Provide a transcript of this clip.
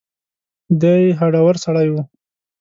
دی هډور سړی و.